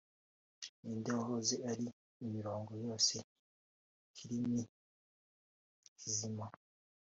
ninde wahoze ari imirongo yose - ikirimi kizima!